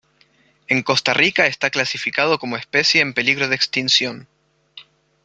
En Costa Rica está clasificado como especie en peligro de extinción.